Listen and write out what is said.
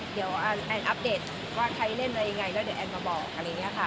เดี๋ยวแอนอัปเดตว่าใครเล่นอะไรยังไงแล้วเดี๋ยวแอนมาบอกอะไรอย่างนี้ค่ะ